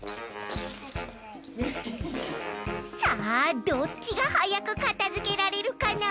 さあどっちがはやくかたづけられるかな？